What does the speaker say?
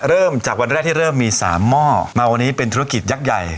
เริ่มจากวันแรกที่เริ่มมี๓หม้อมาวันนี้เป็นธุรกิจยักษ์ใหญ่